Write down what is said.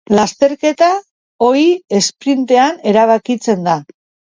Lasterketa, ohi, esprintean erabakitzen da.